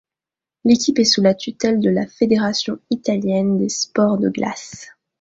L'équipe est sous la tutelle de la Fédération italienne des sports de glace.